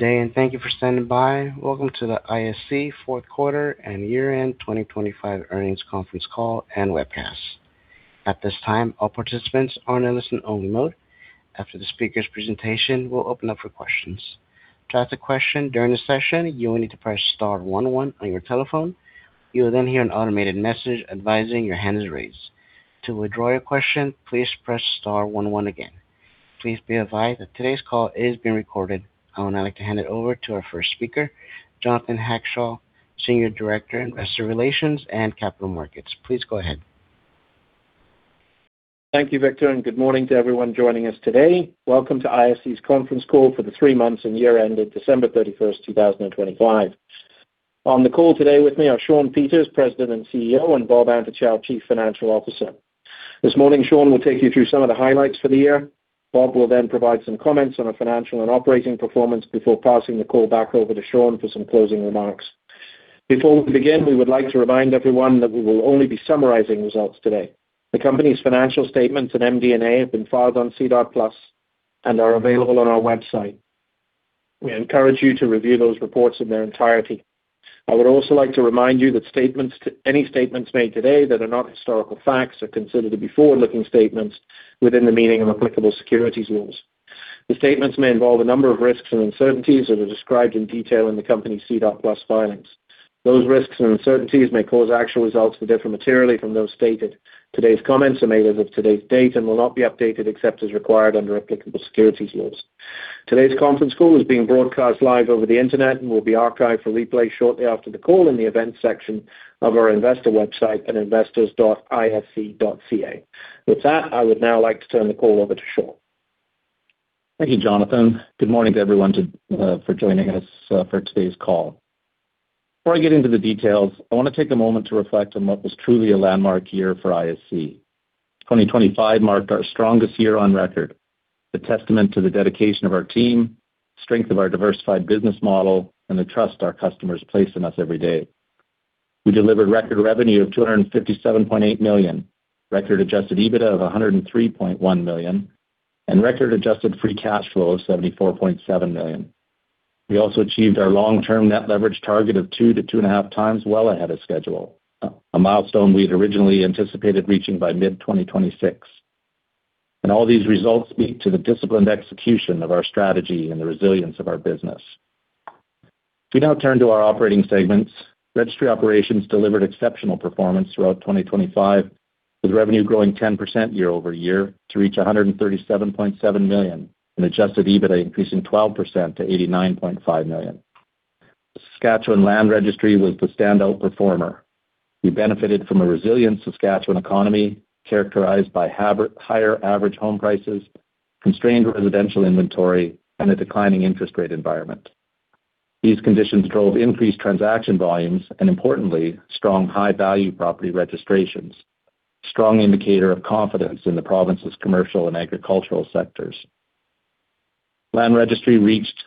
Good day, and thank you for standing by. Welcome to the ISC fourth quarter and year-end 2025 earnings conference call and webcast. At this time, all participants are in listen only mode. After the speaker's presentation, we'll open up for questions. To ask a question during the session, you will need to press star one one on your telephone. You will then hear an automated message advising your hand is raised. To withdraw your question, please press star one one again. Please be advised that today's call is being recorded. I would now like to hand it over to our first speaker, Jonathan Hackshaw, Senior Director, Investor Relations and Capital Markets. Please go ahead. Thank you, Victor, and good morning to everyone joining us today. Welcome to ISC's conference call for the three months and year ended December 31, 2025. On the call today with me are Shawn Peters, President and CEO, and Bob Antochow, Chief Financial Officer. This morning, Shawn will take you through some of the highlights for the year. Bob will then provide some comments on our financial and operating performance before passing the call back over to Shawn for some closing remarks. Before we begin, we would like to remind everyone that we will only be summarizing results today. The company's financial statements and MD&A have been filed on SEDAR+ and are available on our website. We encourage you to review those reports in their entirety. I would also like to remind you that any statements made today that are not historical facts are considered to be forward-looking statements within the meaning of applicable securities laws. The statements may involve a number of risks and uncertainties that are described in detail in the company's SEDAR+ filings. Those risks and uncertainties may cause actual results to differ materially from those stated. Today's comments are made as of today's date and will not be updated except as required under applicable securities laws. Today's conference call is being broadcast live over the Internet and will be archived for replay shortly after the call in the events section of our investor website at investors.isc.ca. With that, I would now like to turn the call over to Shawn. Thank you, Jonathan. Good morning to everyone for joining us for today's call. Before I get into the details, I wanna take a moment to reflect on what was truly a landmark year for ISC. 2025 marked our strongest year on record, a testament to the dedication of our team, strength of our diversified business model, and the trust our customers place in us every day. We delivered record revenue of 257.8 million, record adjusted EBITDA of 103.1 million, and record adjusted free cash flow of 74.7 million. We also achieved our long-term net leverage target of 2-2.5 times well ahead of schedule, a milestone we'd originally anticipated reaching by mid-2026. All these results speak to the disciplined execution of our strategy and the resilience of our business. We now turn to our operating segments. Registry Operations delivered exceptional performance throughout 2025, with revenue growing 10% year-over-year to reach 137.7 million and adjusted EBITDA increasing 12% to 89.5 million. The Saskatchewan Land Registry was the standout performer. We benefited from a resilient Saskatchewan economy characterized by higher average home prices, constrained residential inventory, and a declining interest rate environment. These conditions drove increased transaction volumes and, importantly, strong high-value property registrations, strong indicator of confidence in the province's commercial and agricultural sectors. Land Registry reached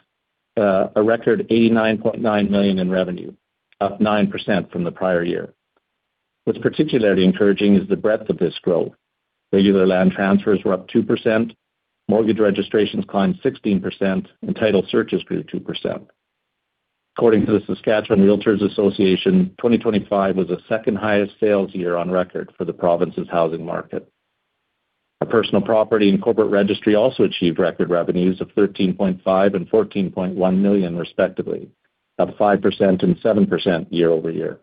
a record 89.9 million in revenue, up 9% from the prior year. What's particularly encouraging is the breadth of this growth. Regular land transfers were up 2%, mortgage registrations climbed 16%, and title searches grew 2%. According to the Saskatchewan REALTORS Association, 2025 was the second highest sales year on record for the province's housing market. Our Personal Property and Corporate Registry also achieved record revenues of 13.5 million and 14.1 million, respectively, up 5% and 7% year-over-year.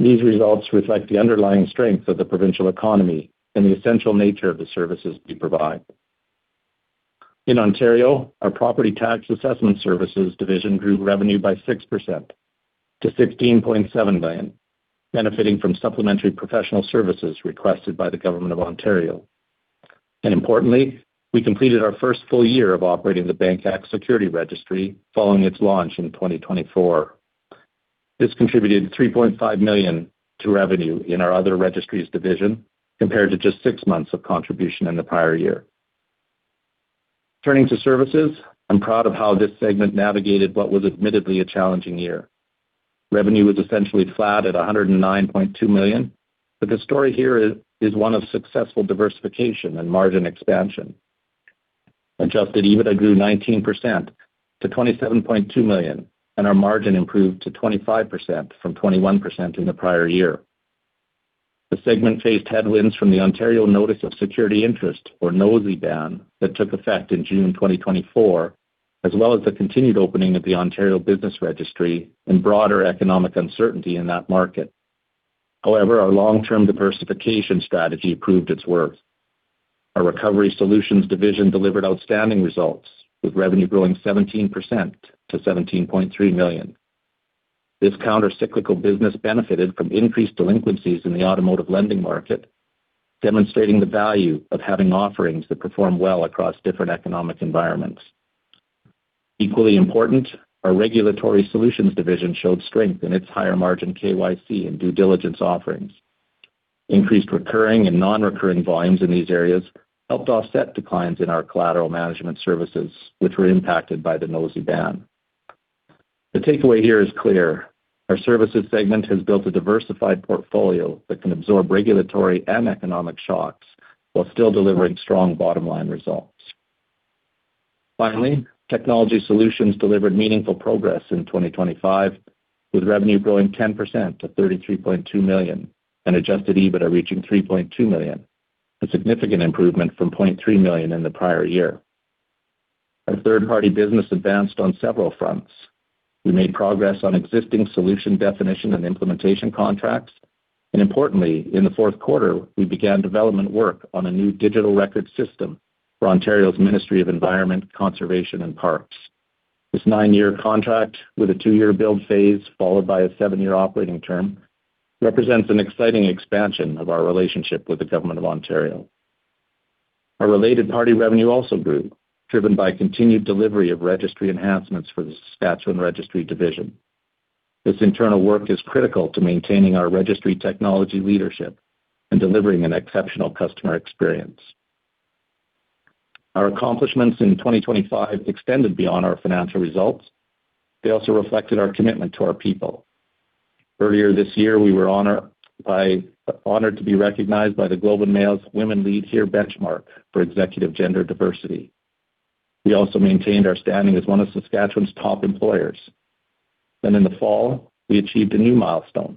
These results reflect the underlying strength of the provincial economy and the essential nature of the services we provide. In Ontario, our Property Tax Assessment Services division grew revenue by 6% to 16.7 million, benefiting from supplementary professional services requested by the Government of Ontario. Importantly, we completed our first full year of operating the Bank Act Security Registry following its launch in 2024. This contributed 3.5 million to revenue in our other registries division, compared to just six months of contribution in the prior year. Turning to services, I'm proud of how this segment navigated what was admittedly a challenging year. Revenue was essentially flat at 109.2 million, but the story here is one of successful diversification and margin expansion. Adjusted EBITDA grew 19% to 27.2 million, and our margin improved to 25% from 21% in the prior year. The segment faced headwinds from the Ontario Notice of Security Interest, or NOSI, ban that took effect in June 2024, as well as the continued opening of the Ontario Business Registry and broader economic uncertainty in that market. However, our long-term diversification strategy proved its worth. Our Recovery Solutions division delivered outstanding results, with revenue growing 17% to 17.3 million. This counter-cyclical business benefited from increased delinquencies in the automotive lending market, demonstrating the value of having offerings that perform well across different economic environments. Equally important, our Regulatory Solutions division showed strength in its higher margin KYC and due diligence offerings. Increased recurring and non-recurring volumes in these areas helped offset declines in our collateral management services, which were impacted by the NOSI ban. The takeaway here is clear. Our services segment has built a diversified portfolio that can absorb regulatory and economic shocks while still delivering strong bottom line results. Finally, Technology Solutions delivered meaningful progress in 2025, with revenue growing 10% to 33.2 million and adjusted EBITDA reaching 3.2 million, a significant improvement from 0.3 million in the prior year. Our third-party business advanced on several fronts. We made progress on existing solution definition and implementation contracts, and importantly, in the fourth quarter, we began development work on a new digital record system for Ontario's Ministry of the Environment, Conservation and Parks. This nine-year contract, with a two-year build phase followed by a seven-year operating term, represents an exciting expansion of our relationship with the Government of Ontario. Our related party revenue also grew, driven by continued delivery of registry enhancements for the Saskatchewan Registries. This internal work is critical to maintaining our registry technology leadership and delivering an exceptional customer experience. Our accomplishments in 2025 extended beyond our financial results. They also reflected our commitment to our people. Earlier this year, we were honored to be recognized by The Globe and Mail's Women Lead Here benchmark for executive gender diversity. We also maintained our standing as one of Saskatchewan's top employers. In the fall, we achieved a new milestone,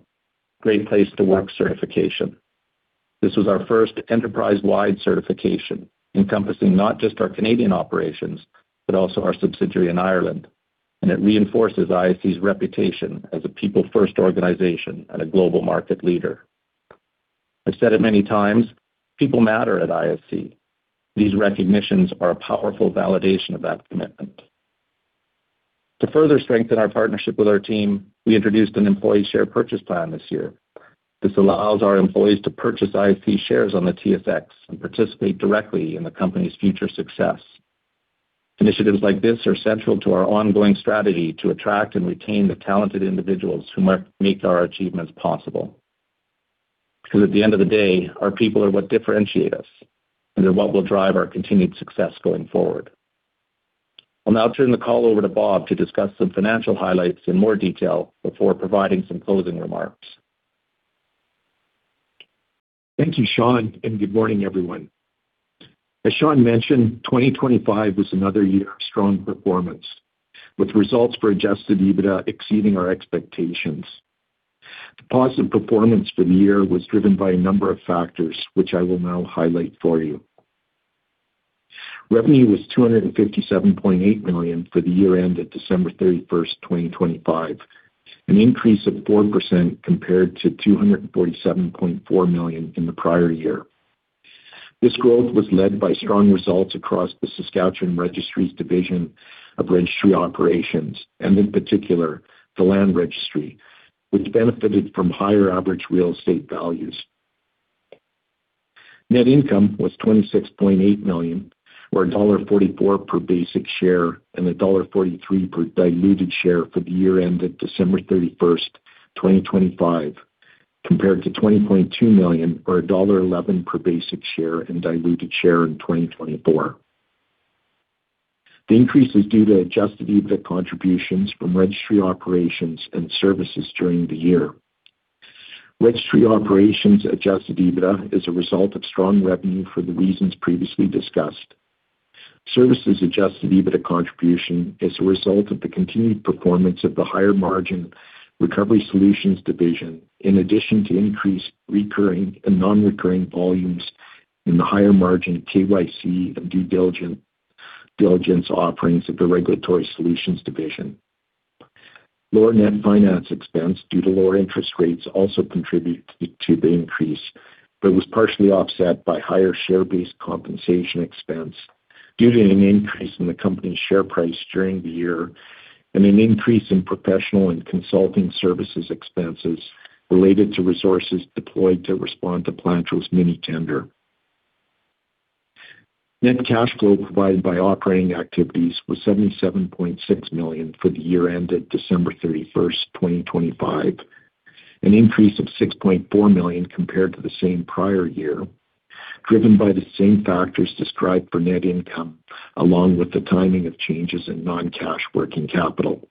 Great Place to Work certification. This was our first enterprise-wide certification, encompassing not just our Canadian operations, but also our subsidiary in Ireland, and it reinforces ISC's reputation as a people-first organization and a global market leader. I've said it many times, people matter at ISC. These recognitions are a powerful validation of that commitment. To further strengthen our partnership with our team, we introduced an employee share purchase plan this year. This allows our employees to purchase ISC shares on the TSX and participate directly in the company's future success. Initiatives like this are central to our ongoing strategy to attract and retain the talented individuals who make our achievements possible. Because at the end of the day, our people are what differentiate us, and they're what will drive our continued success going forward. I'll now turn the call over to Bob to discuss some financial highlights in more detail before providing some closing remarks. Thank you, Sean, and good morning, everyone. As Sean mentioned, 2025 was another year of strong performance, with results for adjusted EBITDA exceeding our expectations. The positive performance for the year was driven by a number of factors, which I will now highlight for you. Revenue was 257.8 million for the year ended December 31, 2025, an increase of 4% compared to 247.4 million in the prior year. This growth was led by strong results across the Saskatchewan Registries Division of Registry Operations, and in particular, the Land Registry, which benefited from higher average real estate values. Net income was CAD 26.8 million, or CAD 1.44 per basic share, and CAD 1.43 per diluted share for the year ended December 31, 2025, compared to 20.2 million or dollar 1.11 per basic share and diluted share in 2024. The increase is due to adjusted EBITDA contributions from registry operations and services during the year. Registry operations adjusted EBITDA is a result of strong revenue for the reasons previously discussed. Services adjusted EBITDA contribution is a result of the continued performance of the higher margin Recovery Solutions division, in addition to increased recurring and non-recurring volumes in the higher margin KYC and due diligence offerings of the Regulatory Solutions division. Lower net finance expense due to lower interest rates also contributed to the increase, but was partially offset by higher share-based compensation expense due to an increase in the company's share price during the year and an increase in professional and consulting services expenses related to resources deployed to respond to Plantro's mini-tender. Net cash flow provided by operating activities was 77.6 million for the year ended December 31, 2025, an increase of 6.4 million compared to the same prior year, driven by the same factors described for net income along with the timing of changes in non-cash working capital.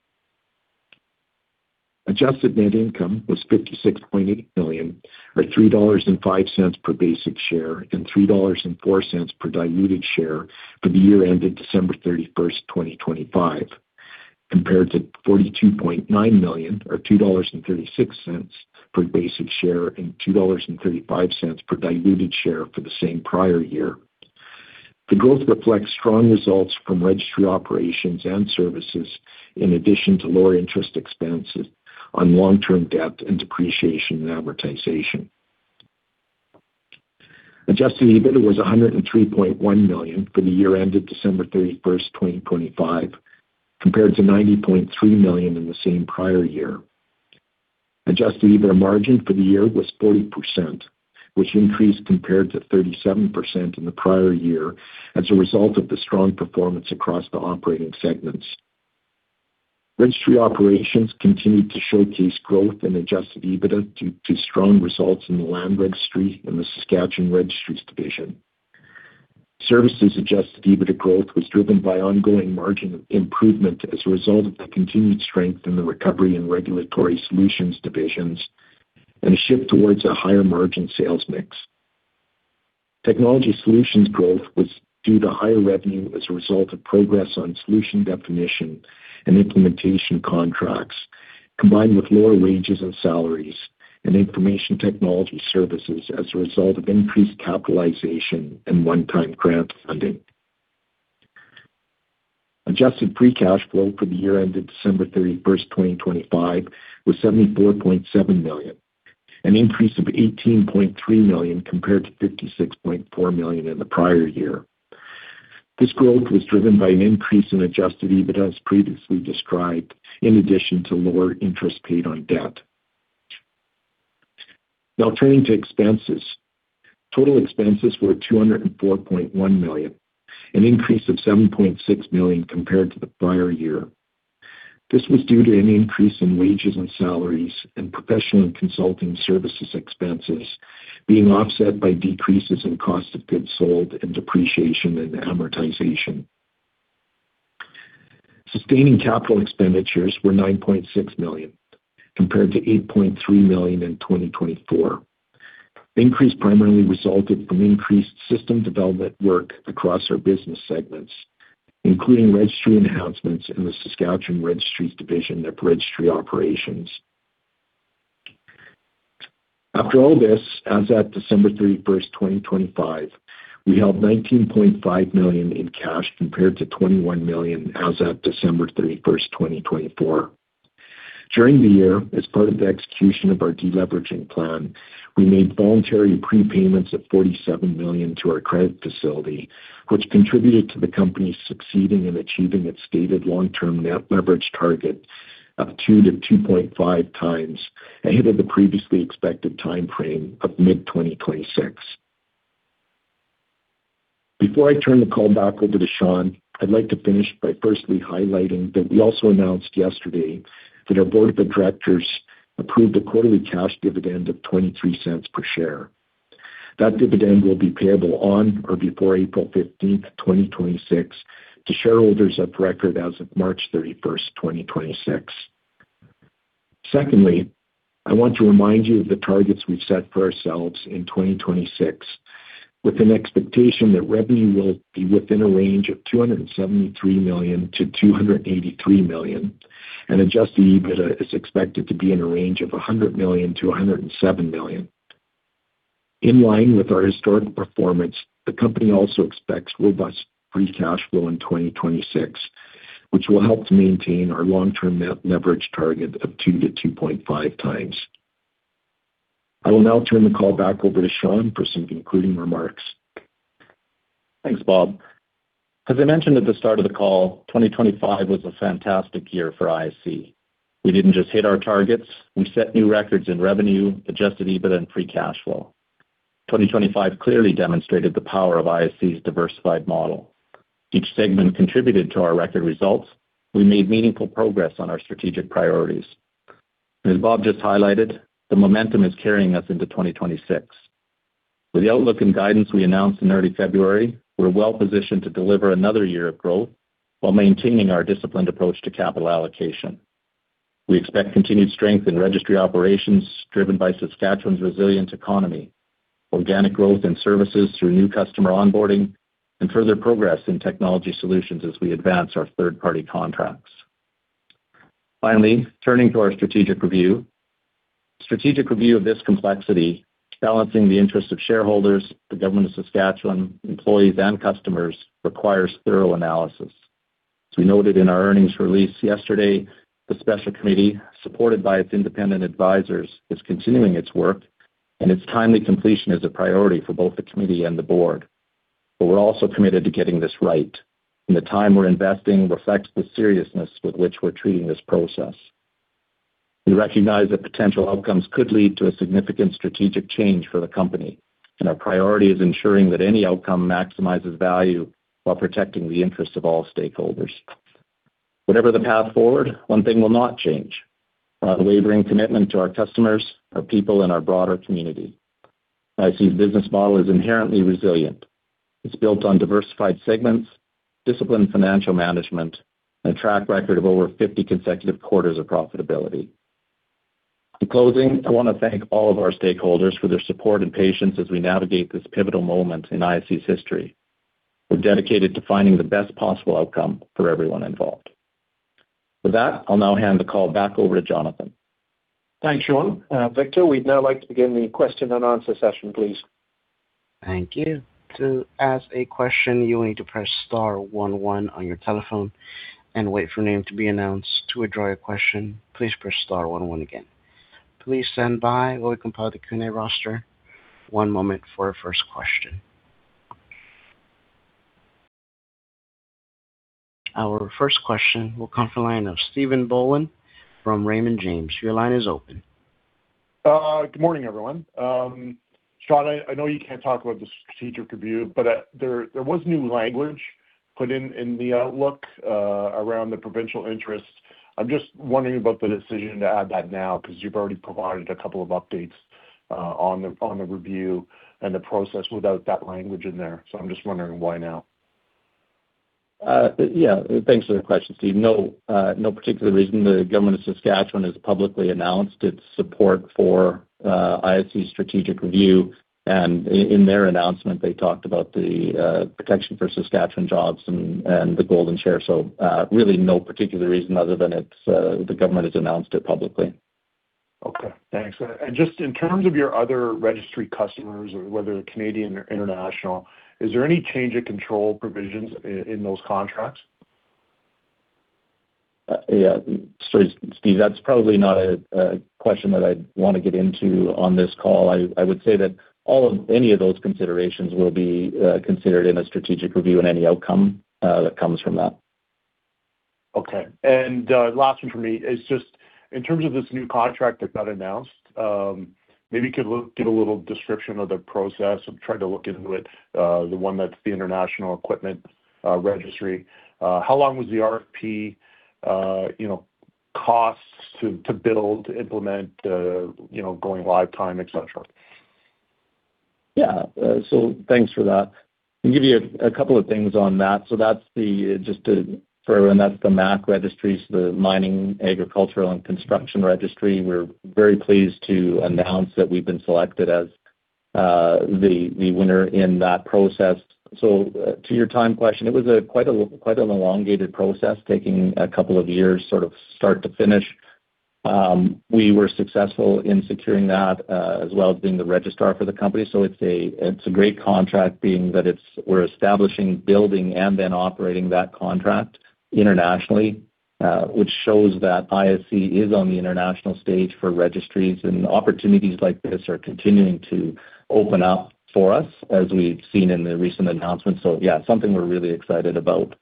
Adjusted net income was 56.8 million, or 3.05 dollars per basic share and 3.04 dollars per diluted share for the year ended December 31, 2025, compared to 42.9 million or 2.36 dollars per basic share and 2.35 per diluted share for the same prior year. The growth reflects strong results from registry operations and services in addition to lower interest expenses on long-term debt and depreciation and amortization. Adjusted EBITDA was 103.1 million for the year ended December 31, 2025, compared to 90.3 million in the same prior year. Adjusted EBITDA margin for the year was 40%, which increased compared to 37% in the prior year as a result of the strong performance across the operating segments. Registry operations continued to showcase growth in adjusted EBITDA due to strong results in the Land Registry and the Saskatchewan Registries division. Services adjusted EBITDA growth was driven by ongoing margin improvement as a result of the continued strength in the Recovery Solutions and Regulatory Solutions divisions and a shift towards a higher margin sales mix. Technology solutions growth was due to higher revenue as a result of progress on solution definition and implementation contracts, combined with lower wages and salaries and information technology services as a result of increased capitalization and one-time grant funding. Adjusted free cash flow for the year ended December 31, 2025 was 74.7 million, an increase of 18.3 million compared to 56.4 million in the prior year. This growth was driven by an increase in adjusted EBIT as previously described, in addition to lower interest paid on debt. Now turning to expenses. Total expenses were CAD 204.1 million, an increase of CAD 7.6 million compared to the prior year. This was due to an increase in wages and salaries and professional and consulting services expenses being offset by decreases in cost of goods sold and depreciation and amortization. Sustaining capital expenditures were 9.6 million compared to 8.3 million in 2024. The increase primarily resulted from increased system development work across our business segments, including registry enhancements in the Saskatchewan Registries Division at Registry Operations. After all this, as at December 31, 2025, we held 19.5 million in cash compared to 21 million as at December 31, 2024. During the year, as part of the execution of our deleveraging plan, we made voluntary prepayments of 47 million to our credit facility, which contributed to the company succeeding in achieving its stated long-term net leverage target of 2-2.5 times ahead of the previously expected timeframe of mid-2026. Before I turn the call back over to Sean, I'd like to finish by firstly highlighting that we also announced yesterday that our board of directors approved a quarterly cash dividend of 0.23 per share. That dividend will be payable on or before April 15, 2026 to shareholders of record as of March 31, 2026. Secondly, I want to remind you of the targets we've set for ourselves in 2026, with an expectation that revenue will be within a range of 273 million-283 million and adjusted EBITDA is expected to be in a range of 100 million-107 million. In line with our historic performance, the company also expects robust free cash flow in 2026, which will help to maintain our long-term net leverage target of 2-2.5 times. I will now turn the call back over to Sean for some concluding remarks. Thanks, Bob. As I mentioned at the start of the call, 2025 was a fantastic year for ISC. We didn't just hit our targets, we set new records in revenue, adjusted EBITDA, and free cash flow. 2025 clearly demonstrated the power of ISC's diversified model. Each segment contributed to our record results. We made meaningful progress on our strategic priorities. As Bob just highlighted, the momentum is carrying us into 2026. With the outlook and guidance we announced in early February, we're well positioned to deliver another year of growth while maintaining our disciplined approach to capital allocation. We expect continued strength in registry operations driven by Saskatchewan's resilient economy, organic growth in services through new customer onboarding, and further progress in technology solutions as we advance our third-party contracts. Finally, turning to our strategic review. Strategic review of this complexity, balancing the interests of shareholders, the Government of Saskatchewan, employees, and customers requires thorough analysis. As we noted in our earnings release yesterday, the special committee, supported by its independent advisors, is continuing its work and its timely completion is a priority for both the committee and the board. We're also committed to getting this right, and the time we're investing reflects the seriousness with which we're treating this process. We recognize that potential outcomes could lead to a significant strategic change for the company, and our priority is ensuring that any outcome maximizes value while protecting the interests of all stakeholders. Whatever the path forward, one thing will not change: our unwavering commitment to our customers, our people, and our broader community. ISC's business model is inherently resilient. It's built on diversified segments, disciplined financial management, and a track record of over 50 consecutive quarters of profitability. In closing, I want to thank all of our stakeholders for their support and patience as we navigate this pivotal moment in ISC's history. We're dedicated to finding the best possible outcome for everyone involved. With that, I'll now hand the call back over to Jonathan. Thanks, Shawn. Victor, we'd now like to begin the question and answer session, please. Thank you. To ask a question, you will need to press star one one on your telephone and wait for your name to be announced. To withdraw your question, please press star one one again. Please stand by while we compile the Q&A roster. One moment for our first question. Our first question will come from the line of Stephen Boland from Raymond James. Your line is open. Good morning, everyone. Shawn, I know you can't talk about the strategic review, but there was new language Put in the outlook, around the provincial interests. I'm just wondering about the decision to add that now, because you've already provided a couple of updates, on the review and the process without that language in there. I'm just wondering why now? Yeah. Thanks for the question, Steven. No, no particular reason. The Government of Saskatchewan has publicly announced its support for ISC strategic review, and in their announcement, they talked about the protection for Saskatchewan jobs and the golden share. Really no particular reason other than it's the government has announced it publicly. Okay, thanks. Just in terms of your other registry customers or whether Canadian or international, is there any change of control provisions in those contracts? Yeah. Sorry, Steve, that's probably not a question that I'd wanna get into on this call. I would say that any of those considerations will be considered in a strategic review and any outcome that comes from that. Okay. Last one for me is just in terms of this new contract that got announced, maybe you could give a little description of the process. I've tried to look into it, the one that's the International Equipment Registry. How long was the RFP, you know, costs to build, to implement, you know, going live time, et cetera? Yeah. Thanks for that. I'll give you a couple of things on that. That's the MAC Registry, the Mining, Agriculture and Construction Registry. We're very pleased to announce that we've been selected as the winner in that process. To your time question, it was quite an elongated process, taking a couple of years, sort of start to finish. We were successful in securing that, as well as being the registrar for the company. It's a great contract being that it's we're establishing, building, and then operating that contract internationally, which shows that ISC is on the international stage for registries and opportunities like this are continuing to open up for us, as we've seen in the recent announcements. Yeah, something we're really excited about.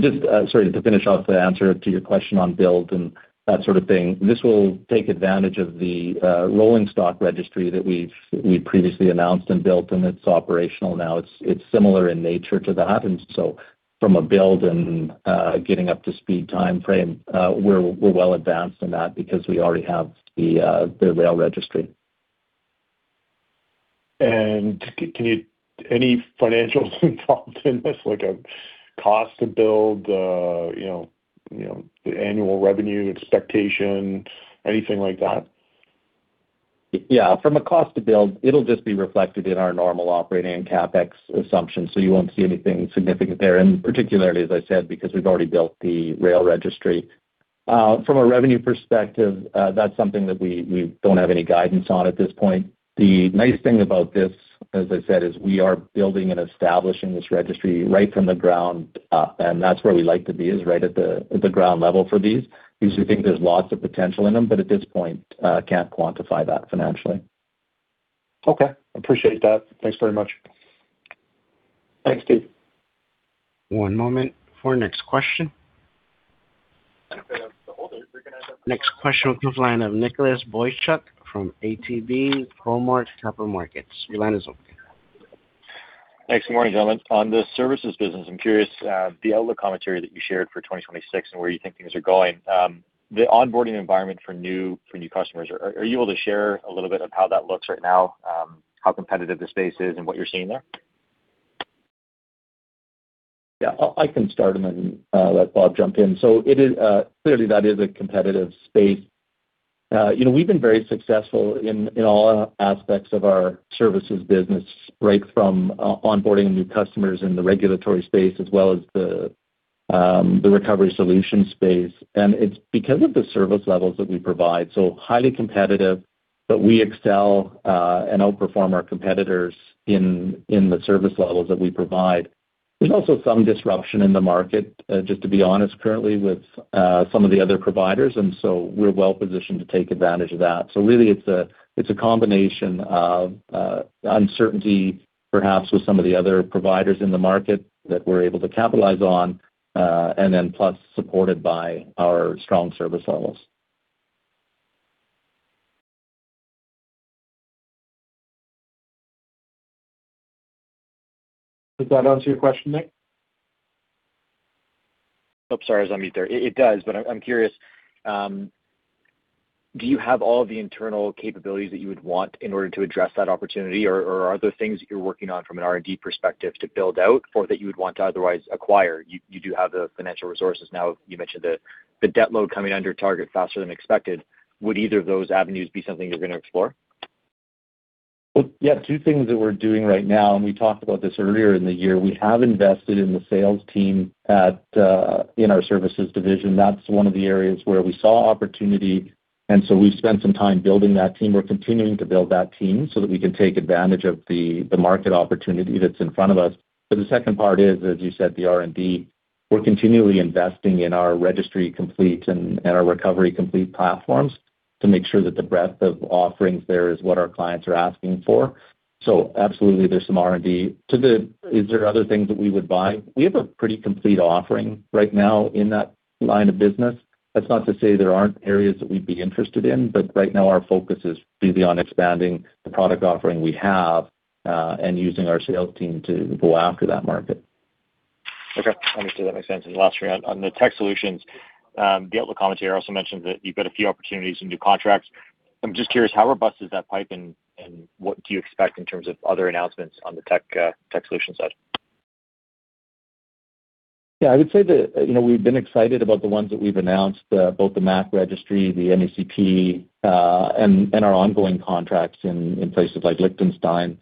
Just, sorry, to finish off the answer to your question on build and that sort of thing, this will take advantage of the rolling stock registry that we've previously announced and built, and it's operational now. It's similar in nature to that. From a build and getting up to speed timeframe, we're well advanced in that because we already have the rail registry. Can you any financial involvement like a cost to build, you know, the annual revenue expectation, anything like that? Yeah. From a cost to build, it'll just be reflected in our normal operating and CapEx assumptions. You won't see anything significant there. Particularly, as I said, because we've already built the rail registry. From a revenue perspective, that's something that we don't have any guidance on at this point. The nice thing about this, as I said, is we are building and establishing this registry right from the ground up, and that's where we like to be, is right at the ground level for these because we think there's lots of potential in them, but at this point, can't quantify that financially. Okay. Appreciate that. Thanks very much. Thanks, Steve. One moment for the next question. The next question comes from the line of Nicholas Boychuk from ATB Capital Markets. Your line is open. Thanks. Good morning, gentlemen. On the services business, I'm curious, the outlook commentary that you shared for 2026 and where you think things are going, the onboarding environment for new customers, are you able to share a little bit of how that looks right now, how competitive the space is and what you're seeing there? Yeah, I can start them and let Bob jump in. It is clearly a competitive space. You know, we've been very successful in all aspects of our services business, right from onboarding new customers in the regulatory space as well as the recovery solution space. It's because of the service levels that we provide, so highly competitive, but we excel and outperform our competitors in the service levels that we provide. There's also some disruption in the market, just to be honest, currently with some of the other providers, and we're well-positioned to take advantage of that. Really it's a combination of uncertainty perhaps with some of the other providers in the market that we're able to capitalize on, and then plus supported by our strong service levels. Did that answer your question, Nick? Oh, sorry. I was on mute there. It does, but I'm curious, do you have all the internal capabilities that you would want in order to address that opportunity? Or are there things that you're working on from an R&D perspective to build out or that you would want to otherwise acquire? You do have the financial resources now. You mentioned the debt load coming under target faster than expected. Would either of those avenues be something you're gonna explore? Well, yeah, two things that we're doing right now, and we talked about this earlier in the year. We have invested in the sales team at, in our services division. That's one of the areas where we saw opportunity, and so we've spent some time building that team. We're continuing to build that team so that we can take advantage of the market opportunity that's in front of us. But the second part is, as you said, the R&D. We're continually investing in our Registry Complete and our Recovery Complete platforms to make sure that the breadth of offerings there is what our clients are asking for. So absolutely, there's some R&D. To that, is there other things that we would buy? We have a pretty complete offering right now in that line of business. That's not to say there aren't areas that we'd be interested in, but right now our focus is really on expanding the product offering we have, and using our sales team to go after that market. Okay. Understood. That makes sense. Last one. On the tech solutions, the outlook commentary also mentioned that you've got a few opportunities in new contracts. I'm just curious, how robust is that pipe and what do you expect in terms of other announcements on the tech solution side? Yeah, I would say that, you know, we've been excited about the ones that we've announced, both the MAC registry, the MECP, and our ongoing contracts in places like Liechtenstein.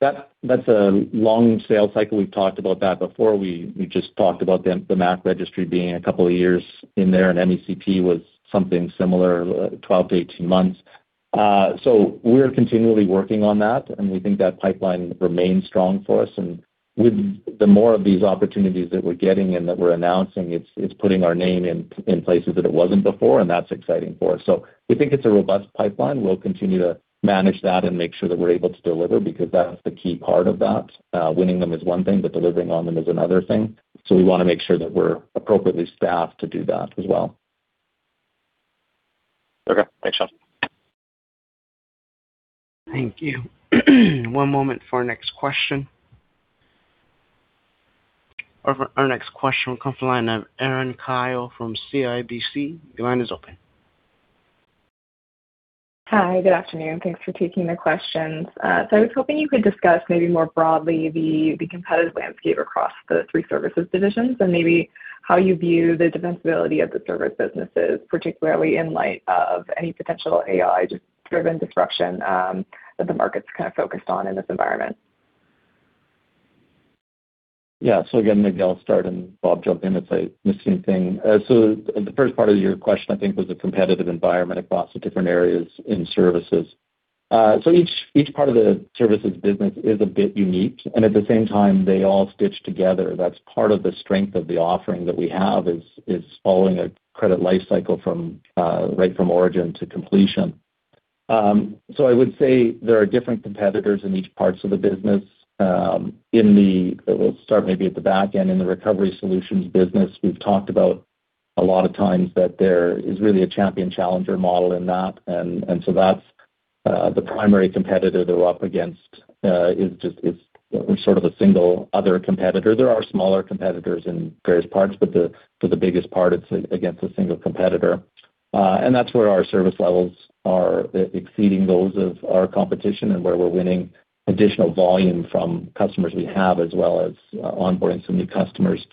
That's a long sales cycle. We've talked about that before. We just talked about the MAC registry being a couple of years in there, and MECP was something similar, 12-18 months. We're continually working on that, and we think that pipeline remains strong for us. With the more of these opportunities that we're getting and that we're announcing, it's putting our name in places that it wasn't before, and that's exciting for us. We think it's a robust pipeline. We'll continue to manage that and make sure that we're able to deliver because that's the key part of that. Winning them is one thing, but delivering on them is another thing. We wanna make sure that we're appropriately staffed to do that as well. Okay. Thanks, Shawn. Thank you. One moment for our next question. Our next question will come from the line of Erin Kyle from CIBC. Your line is open. Hi. Good afternoon. Thanks for taking the questions. So I was hoping you could discuss maybe more broadly the competitive landscape across the three services divisions and maybe how you view the defensibility of the service businesses, particularly in light of any potential AI-driven disruption that the market's kind of focused on in this environment. Yeah. Again, maybe I'll start and Bob jump in if I miss anything. The first part of your question I think was the competitive environment across the different areas in services. Each part of the services business is a bit unique, and at the same time they all stitch together. That's part of the strength of the offering that we have is following a credit life cycle from right from origin to completion. I would say there are different competitors in each parts of the business. We'll start maybe at the back end in the Recovery Solutions business. We've talked about a lot of times that there is really a champion challenger model in that. That's the primary competitor that we're up against. It is sort of a single other competitor. There are smaller competitors in various parts, but for the biggest part it's against a single competitor. That's where our service levels are exceeding those of our competition and where we're winning additional volume from customers we have as well as onboarding some new customers.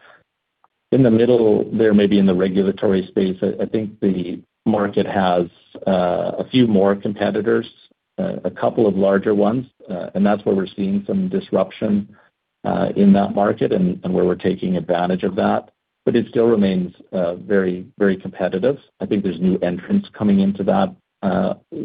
In the middle there, maybe in the regulatory space, I think the market has a few more competitors, a couple of larger ones. That's where we're seeing some disruption in that market and where we're taking advantage of that. It still remains very competitive. I think there's new entrants coming into that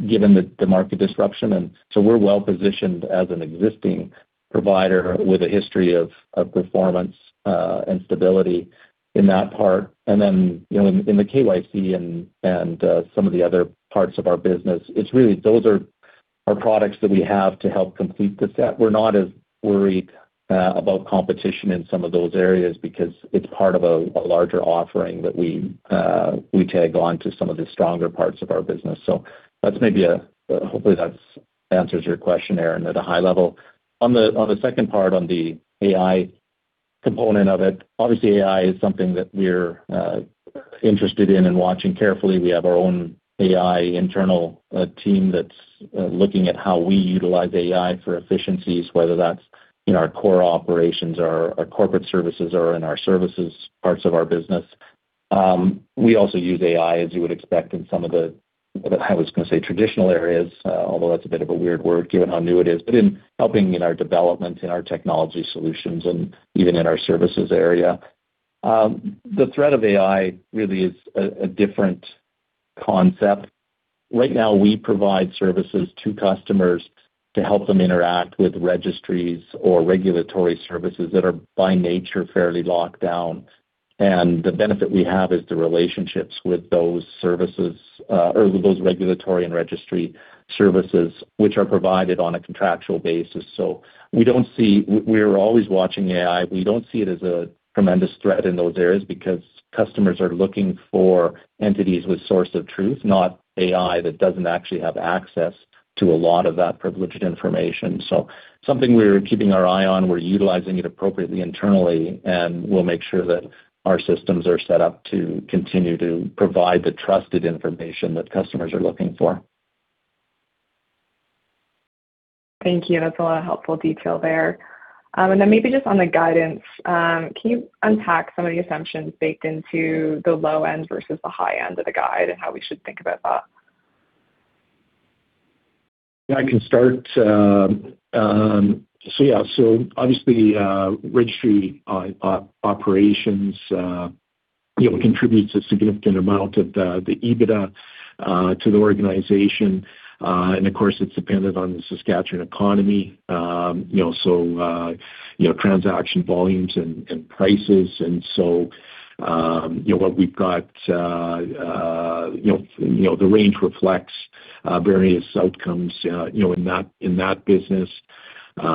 given the market disruption. We're well positioned as an existing provider with a history of performance and stability in that part. You know, in the KYC and some of the other parts of our business, it's really those are our products that we have to help complete the set. We're not as worried about competition in some of those areas because it's part of a larger offering that we tag on to some of the stronger parts of our business. That's maybe hopefully that answers your question, Erin, at a high level. On the second part on the AI component of it, obviously AI is something that we're interested in and watching carefully. We have our own AI internal team that's looking at how we utilize AI for efficiencies, whether that's in our core operations or our corporate services or in our services parts of our business. We also use AI as you would expect in some of the, I was gonna say traditional areas, although that's a bit of a weird word given how new it is, but in helping in our development, in our technology solutions, and even in our services area. The threat of AI really is a different concept. Right now, we provide services to customers to help them interact with registries or regulatory services that are by nature fairly locked down. The benefit we have is the relationships with those services, or those regulatory and registry services which are provided on a contractual basis. We are always watching AI. We don't see it as a tremendous threat in those areas because customers are looking for entities with source of truth, not AI that doesn't actually have access to a lot of that privileged information. Something we're keeping our eye on. We're utilizing it appropriately internally, and we'll make sure that our systems are set up to continue to provide the trusted information that customers are looking for. Thank you. That's a lot of helpful detail there. Maybe just on the guidance, can you unpack some of the assumptions baked into the low end versus the high end of the guide and how we should think about that? Yeah, I can start. Obviously, registry operations you know contributes a significant amount of the EBITDA to the organization. Of course, it's dependent on the Saskatchewan economy. You know, transaction volumes and prices. What we've got the range reflects various outcomes you know in that business. We've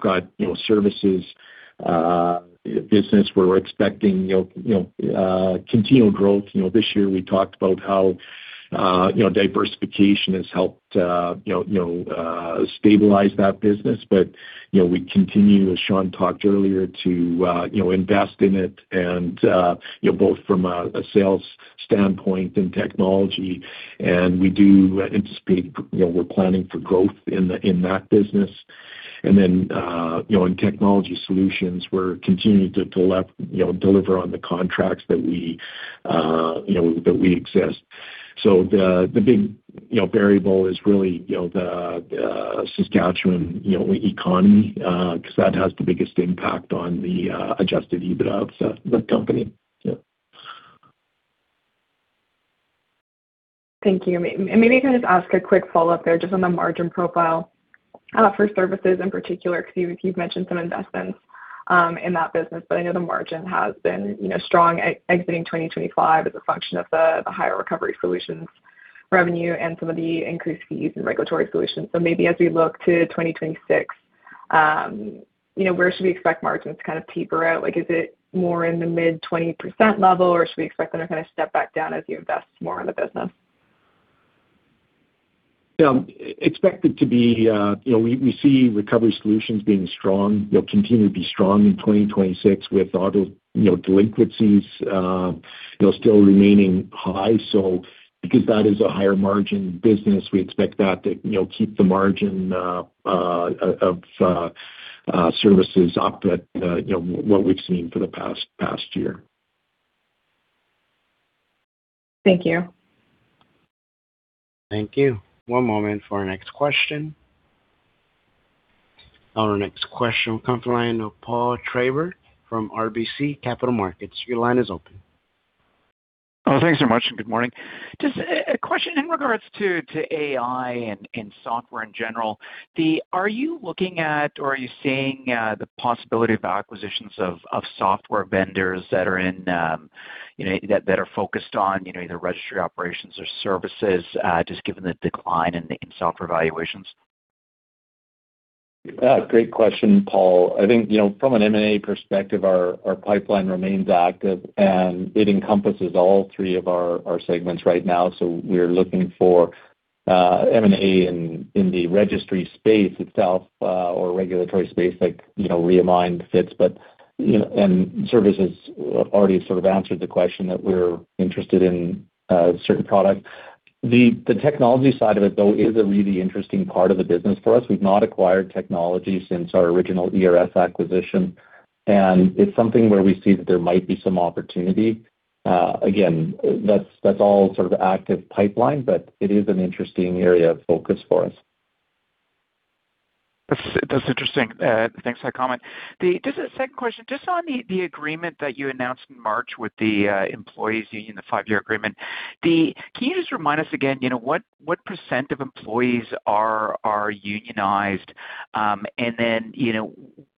got services business where we're expecting continual growth. You know, this year we talked about how You know, diversification has helped, you know, stabilize that business. You know, we continue, as Sean talked earlier, to, you know, invest in it and, you know, both from a sales standpoint and technology. We do anticipate, you know, we're planning for growth in that business. Then, you know, in technology solutions, we're continuing to deliver on the contracts that exist. The big, you know, variable is really, you know, the Saskatchewan economy, because that has the biggest impact on the adjusted EBITDA of the company. Thank you. Maybe I can just ask a quick follow-up there just on the margin profile for services in particular, because you've mentioned some investments in that business. I know the margin has been, you know, strong exiting 2025 as a function of the higher Recovery Solutions revenue and some of the increased fees and Regulatory Solutions. Maybe as we look to 2026, you know, where should we expect margins to kind of taper out? Like, is it more in the mid-20% level, or should we expect them to kind of step back down as you invest more in the business? Yeah. Expect it to be, you know, we see Recovery Solutions being strong. They'll continue to be strong in 2026 with auto, you know, delinquencies still remaining high. Because that is a higher margin business, we expect that to, you know, keep the margin of services up at, you know, what we've seen for the past year. Thank you. Thank you. One moment for our next question. Our next question comes from the line of Paul Treiber from RBC Capital Markets. Your line is open. Oh, thanks so much, and good morning. Just a question in regards to AI and software in general. Are you looking at or are you seeing the possibility of acquisitions of software vendors that are in you know that are focused on you know either registry operations or services just given the decline in software valuations? Great question, Paul. I think, you know, from an M&A perspective, our pipeline remains active, and it encompasses all three of our segments right now. We're looking for M&A in the registry space itself, or regulatory space like, you know, Reamined fits. You know, and services already sort of answered the question that we're interested in certain products. The technology side of it, though, is a really interesting part of the business for us. We've not acquired technology since our original ERS acquisition, and it's something where we see that there might be some opportunity. Again, that's all sort of active pipeline, it is an interesting area of focus for us. That's interesting. Thanks for that comment. Just a second question. Just on the agreement that you announced in March with the employees' union, the five-year agreement. Can you just remind us again, you know, what % of employees are unionized? And then, you know,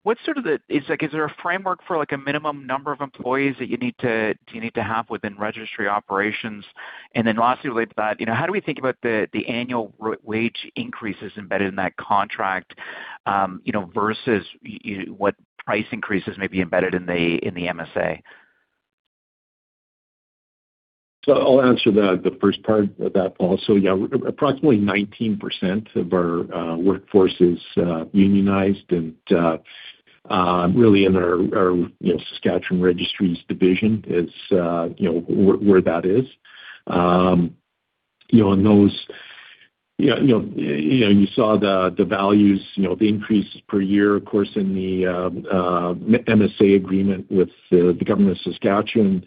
what sort of framework is, like, there for, like, a minimum number of employees that you need to have within Registry Operations? And then lastly, related to that, you know, how do we think about the annual wage increases embedded in that contract, you know, versus you what price increases may be embedded in the MSA? I'll answer the first part of that, Paul. Yeah, approximately 19% of our workforce is unionized. Really in our you know Saskatchewan Registries division is you know where that is. You know, those you know you saw the values you know the increases per year, of course, in the MSA agreement with the Government of Saskatchewan.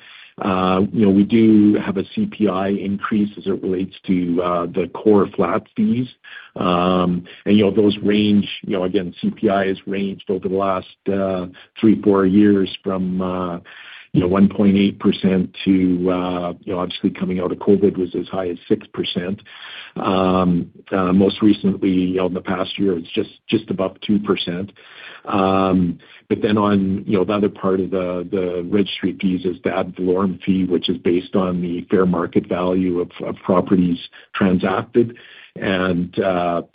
You know, we do have a CPI increase as it relates to the core flat fees. You know, those range you know again, CPI has ranged over the last 3-4 years from you know 1.8% to you know obviously coming out of COVID was as high as 6%. Most recently, you know, in the past year, it's just above 2%. Then on, you know, the other part of the registry fees is the ad valorem fee, which is based on the fair market value of properties transacted. As you know,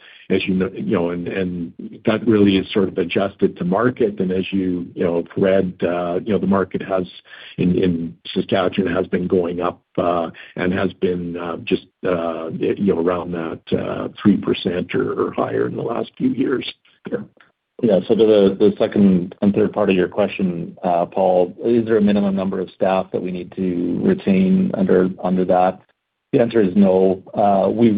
you know, and that really is sort of adjusted to market. As you have read, you know, the market in Saskatchewan has been going up and has been just around that 3% or higher in the last few years. Yeah. Yeah. The second and third part of your question, Paul, is there a minimum number of staff that we need to retain under that? The answer is no.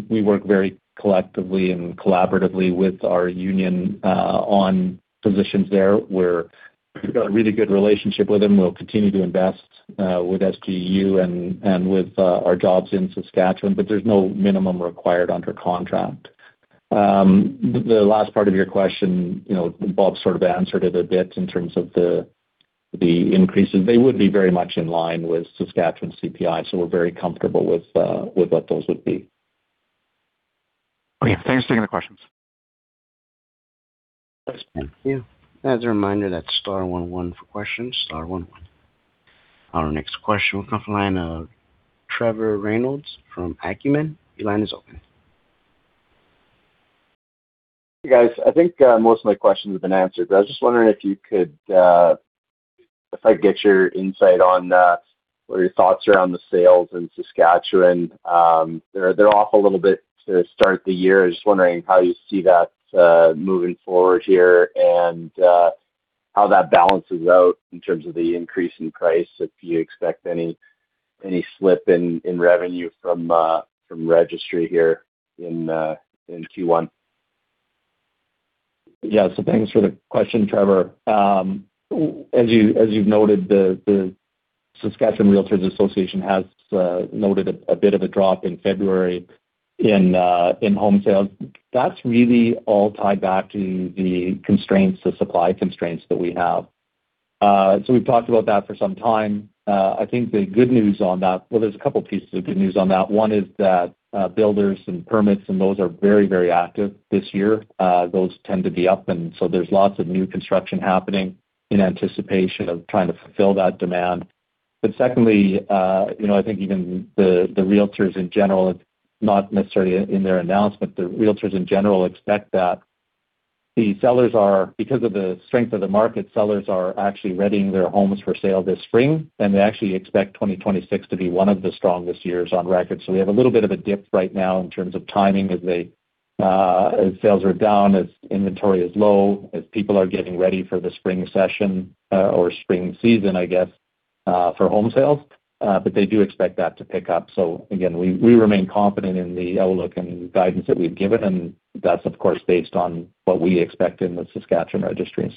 We work very collectively and collaboratively with our union on positions there, where we've got a really good relationship with them. We'll continue to invest with SGEU and with our jobs in Saskatchewan, but there's no minimum required under contract. The last part of your question, you know, Bob sort of answered it a bit in terms of the increases. They would be very much in line with Saskatchewan CPI, so we're very comfortable with what those would be. Okay. Thanks for taking the questions. Thank you. As a reminder, that's star one one for questions, star one one. Our next question will come from line of Trevor Reynolds from Acumen. Your line is open. Hey guys, I think most of my questions have been answered, but I was just wondering if I could get your insight on or your thoughts around the sales in Saskatchewan. They're off a little bit to start the year. I was just wondering how you see that moving forward here and how that balances out in terms of the increase in price. If you expect any slip in revenue from registry here in Q1. Yeah. Thanks for the question, Trevor. As you've noted, the Saskatchewan REALTORS® Association has noted a bit of a drop in February in home sales. That's really all tied back to the constraints, the supply constraints that we have. We've talked about that for some time. I think the good news on that. Well, there's a couple pieces of good news on that. One is that builders and permits and those are very, very active this year. Those tend to be up, and so there's lots of new construction happening in anticipation of trying to fulfill that demand. Secondly, you know, I think even the realtors in general, not necessarily in their announcement, the realtors in general expect that because of the strength of the market, sellers are actually readying their homes for sale this spring, and they actually expect 2026 to be one of the strongest years on record. We have a little bit of a dip right now in terms of timing as sales are down, as inventory is low, as people are getting ready for the spring season, I guess, for home sales. They do expect that to pick up. Again, we remain confident in the outlook and guidance that we've given, and that's of course based on what we expect in the Saskatchewan Registries.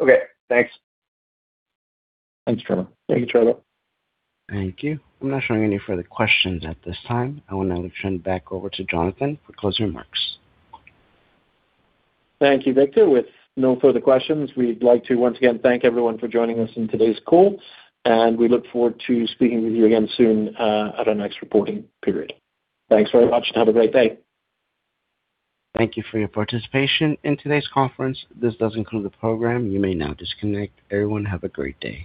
Okay, thanks. Thanks, Trevor. Thank you, Trevor. Thank you. I'm not showing any further questions at this time. I will now turn back over to Jonathan for closing remarks. Thank you, Victor. With no further questions, we'd like to once again thank everyone for joining us in today's call, and we look forward to speaking with you again soon at our next reporting period. Thanks very much and have a great day. Thank you for your participation in today's conference. This does conclude the program. You may now disconnect. Everyone, have a great day.